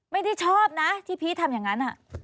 ไม่ได้ชอบนะที่พีชทำอย่างนั้น